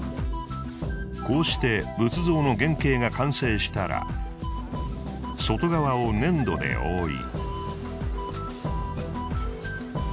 こうして仏像の原型が完成したら外側を粘土で覆い。